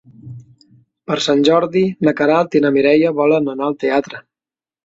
Per Sant Jordi na Queralt i na Mireia volen anar al teatre.